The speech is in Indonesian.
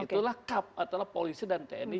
itulah kap antara polisi dan tni